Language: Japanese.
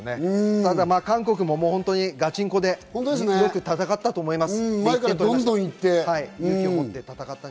ただ韓国もガチンコでよく戦ったと思います。